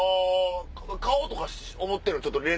買おうとか思ってるん？